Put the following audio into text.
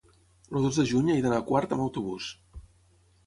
el dos de juny he d'anar a Quart amb autobús.